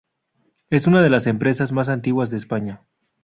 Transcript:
Es una de las empresas más antiguas de España.